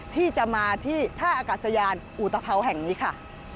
ที่จะมาที่ท่าอากาศยานอุตภัวแห่งนี้ค่ะ